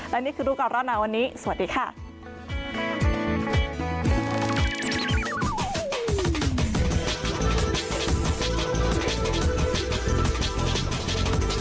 และนี่คือรู้ก่อนร้อนหนาวันนี้สวัสดีค่ะ